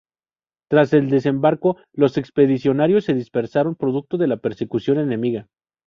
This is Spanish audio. Tras el desembarco, los expedicionarios se dispersaron producto de la persecución enemiga.